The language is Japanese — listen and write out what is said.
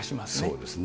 そうですね。